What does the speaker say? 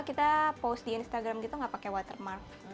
kita post di instagram gitu gak pakai watermark